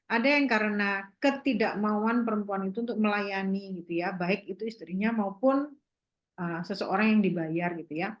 ada yang karena ketidakmauan perempuan itu untuk melayani baik itu istrinya maupun seseorang yang dibayar